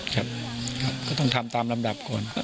ครับก็ต้องทำตามลำดับก่อน